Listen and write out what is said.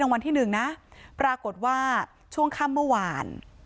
รางวัลที่หนึ่งนะปรากฏว่าช่วงค่ำเมื่อวาน